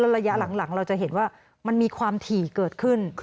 ระยะหลังเราจะเห็นว่ามันมีความถี่เกิดขึ้น